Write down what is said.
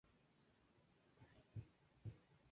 Pertenece al territorio histórico de Labort.